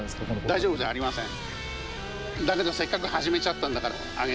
大丈夫じゃありません。